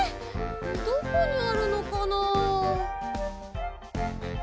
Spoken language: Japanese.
どこにあるのかな。